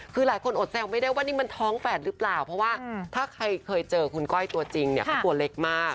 คือหลายคนอดแซวไม่ได้ว่านี่มันท้องแฝดหรือเปล่าเพราะว่าถ้าใครเคยเจอคุณก้อยตัวจริงเนี่ยเขาตัวเล็กมาก